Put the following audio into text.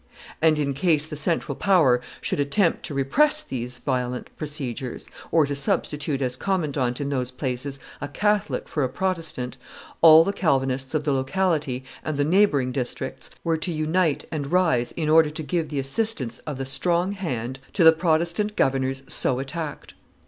And in case the central power should attempt to repress these violent procedures, or to substitute as commandant in those places a Catholic for a Protestant, all the Calvinists of the locality and the neighboring districts were to unite and rise in order to give the assistance of the strong hand to the Protestant governors so attacked.